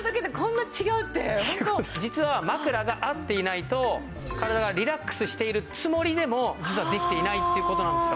実は枕が合っていないと体がリラックスしているつもりでも実はできていないっていう事なんですよ。